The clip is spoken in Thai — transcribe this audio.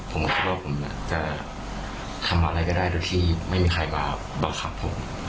ผมก็คิดว่าผมจะทำอะไรก็ได้โดยที่ไม่มีใครมาบังคับผม